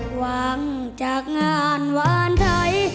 หวังจากงานหวานไทย